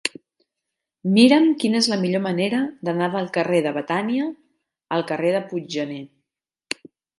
Mira'm quina és la millor manera d'anar del carrer de Betània al carrer de Puiggener.